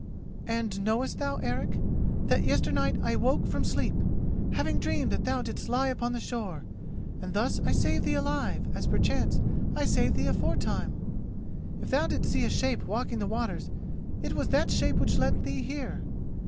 "And knowest thou, Eric, that yesternight I woke from sleep, having dreamed that thou didst lie upon the shore, and thus I saved thee alive, as perchance I have saved thee aforetime? If thou didst see a shape walking the waters it was that shape which led thee here.